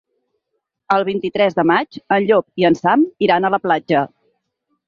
El vint-i-tres de maig en Llop i en Sam iran a la platja.